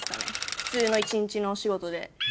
普通の一日のお仕事で。